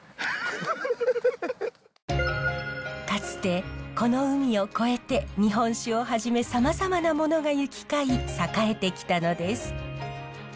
かつてこの海を越えて日本酒をはじめさまざまなものが行き交い栄えてきたのです。